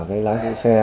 cái lái hộ xe